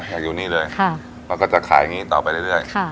อยากอยู่นี่เลยแล้วก็จะขายอย่างนี้ต่อไปเรื่อย